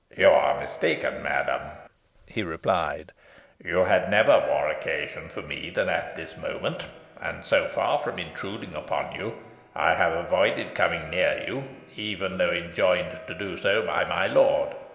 "You are mistaken, madam," he replied; "you had never more occasion for me than at this moment; and, so far from intruding upon you, I have avoided coming near you, even though enjoined to do so by my lord.